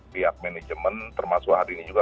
pihak manajemen termasuk hari ini juga